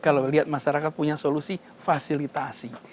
kalau lihat masyarakat punya solusi fasilitasi